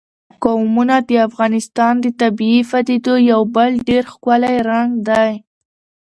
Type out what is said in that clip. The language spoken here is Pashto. قومونه د افغانستان د طبیعي پدیدو یو بل ډېر ښکلی رنګ دی.